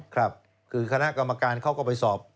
ครับคือคณะกรรมการเขาก็ไปสอบ